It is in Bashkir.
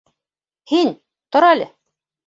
— Һин, тор әле.